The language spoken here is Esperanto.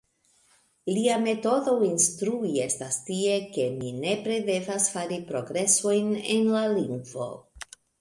Lia metodo instrui estis tia, ke mi nepre devis fari progresojn en la lingvo.